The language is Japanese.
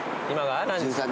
今が？